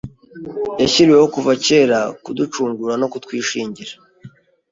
yashyiriweho kuva kera kuducungura no kutwishingira.